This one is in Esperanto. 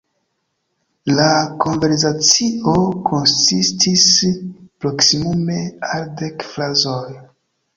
La konversacio konsistis proksimume al dek frazoj.